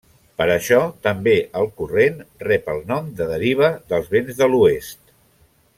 Per això també el corrent rep el nom de Deriva dels Vents de l'Oest.